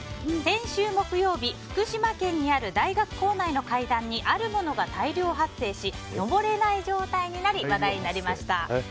先週木曜日、福島県にある大学構内の階段にあるものが大量発生し登れない状態になり話題になりました。